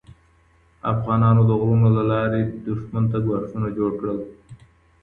افغانانو د غرونو له لارې دښمن ته ګواښونه جوړ کړل.